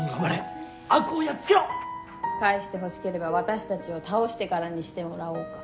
返してほしければ私たちを倒してからにしてもらおうか。